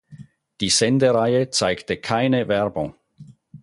Die Sendereihe zeigte keine Werbung.